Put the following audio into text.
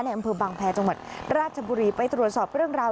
อำเภอบางแพรจังหวัดราชบุรีไปตรวจสอบเรื่องราว